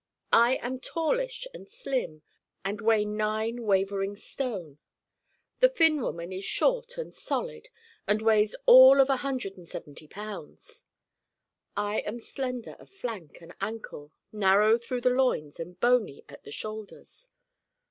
I am tallish and slim and weigh nine wavering stone. The Finn woman is short and solid and weighs all of a hundred and seventy pounds. I am slender of flank and ankle, narrow through the loins and bony at the shoulders.